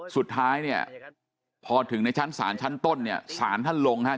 สุดท้ายเนี่ยพอถึงในชั้นศาลชั้นต้นเนี่ยสารท่านลงครับ